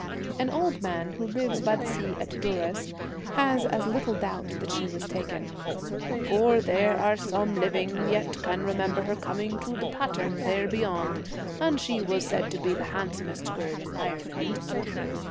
' An old man who lives by the sea at Duras has as little doubt that she was taken, ' for there are some living yet can remember her coming to the pattern 1 there beyond, and she was said to be the handsomest girl in Ireland.'